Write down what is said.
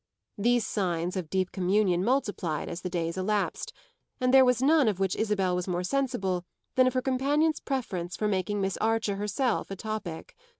These signs of deep communion multiplied as the days elapsed, and there was none of which Isabel was more sensible than of her companion's preference for making Miss Archer herself a topic.